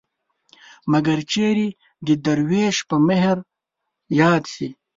مګر چېرې د دروېش په مهر ياد شي